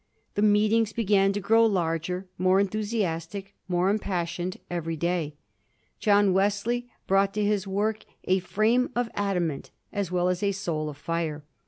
The meetings began to grow larger, more enthusiastic, more impassioned, every day. John Wesley brought to his work "a frame of adamant" as well as "a soul of fire."